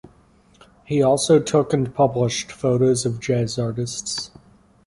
He also took and published photos of jazz artists.